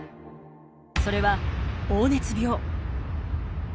それは黄熱病。